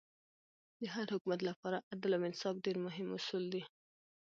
د هر حکومت له پاره عدل او انصاف ډېر مهم اصول دي.